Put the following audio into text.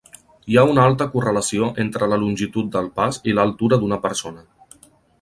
Hi ha una alta correlació entre la longitud del pas i l'altura d'una persona.